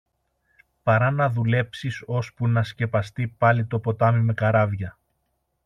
παρά να δουλέψεις ώσπου να σκεπαστεί πάλι το ποτάμι με καράβια.